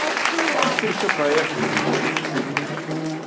Он теперь всё проекты пишет.